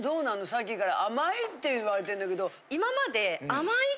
さっきから甘いって言われてんだけど。